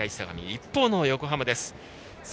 一方の横浜です。